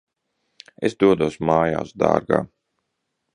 Es dodos mājās, dārgā.